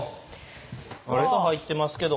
かす入ってますけど。